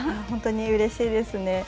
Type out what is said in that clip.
本当にうれしいですね。